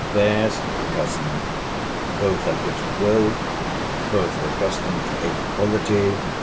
—There's a cousin!—Both have wit at will. Both are accustomed to ape quality.